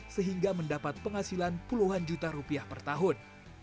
sehingga mendapat penghasilan puluhan juta rupiah per tahun